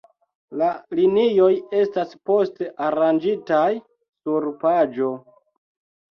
La linioj estas poste aranĝitaj sur paĝo.